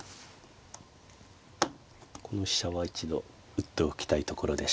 この飛車は一度打っておきたいところでした。